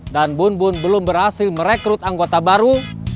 dan bun bun belum berhasil merekrut anggota baru